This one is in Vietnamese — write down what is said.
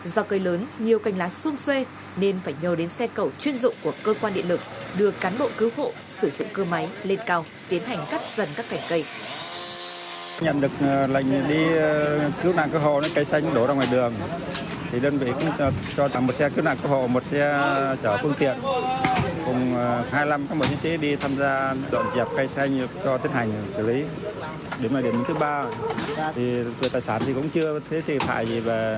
do cây lớn nhiều canh lá xung xuê nên phải nhờ đến xe cầu chuyên dụng của cơ quan địa lực đưa cán bộ cứu hộ sử dụng cơ máy lên cao tiến hành cắt dần các cành cây